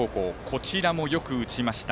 こちらもよく打ちました。